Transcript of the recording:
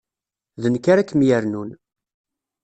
D nekk ara kem-yernun.